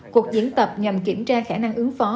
cuộc diễn tập nhằm kiểm tra khả năng ứng phó